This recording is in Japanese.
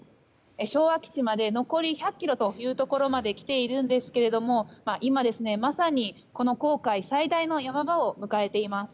昭和基地まで残り１００ｋｍというところまで来ているんですけど今まさにこの航海最大の山場を迎えています。